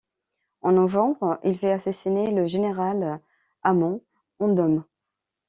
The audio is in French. En novembre, il fait assassiner le général Aman Andom.